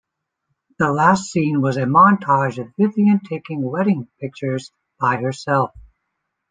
The last scene was a montage of Vivian taking wedding pictures by her self.